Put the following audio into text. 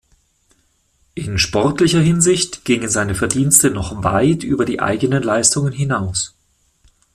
In sportlicher Hinsicht gingen seine Verdienste noch weit über die eigenen Leistungen hinaus.